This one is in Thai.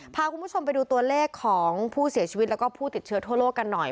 พาคุณผู้ชมไปดูตัวเลขของผู้เสียชีวิตแล้วก็ผู้ติดเชื้อทั่วโลกกันหน่อย